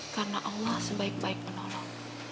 karena allah sebaik baik menolong